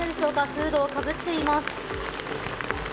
フードをかぶっています。